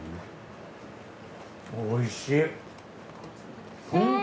おいしい。